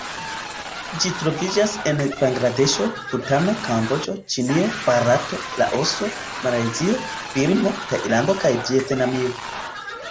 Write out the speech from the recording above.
Ĝi troviĝas en Bangladeŝo, Butano, Kamboĝo, Ĉinio, Barato, Laoso, Malajzio, Birmo, Tajlando kaj Vjetnamio.